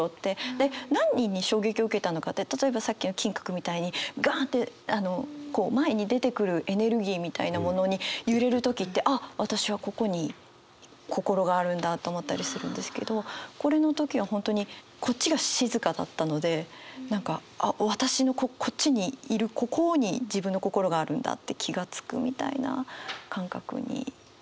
で何に衝撃を受けたのかって例えばさっきの金閣みたいにガンってこう前に出てくるエネルギーみたいなものに揺れる時ってあっ私はここに心があるんだと思ったりするんですけどこれの時は本当にこっちが静かだったので何か私のこっちにいるここに自分の心があるんだって気が付くみたいな感覚になってたかなって。